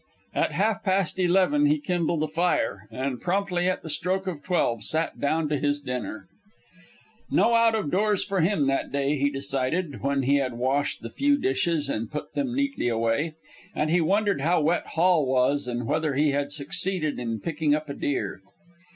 At half past eleven he kindled a fire, and promptly at the stroke of twelve sat down to his dinner. No out of doors for him that day, he decided, when he had washed the few dishes and put them neatly away; and he wondered how wet Hall was and whether he had succeeded in picking up a deer.